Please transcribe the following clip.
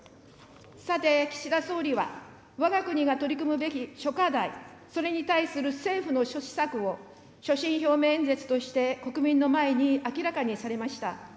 さて、岸田総理は、わが国が取り組むべき諸課題、それに対する政府の諸施策を所信表明演説として、国民の前に明らかにされました。